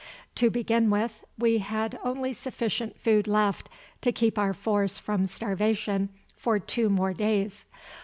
To begin with, we had only sufficient food left to keep our force from starvation for two more days.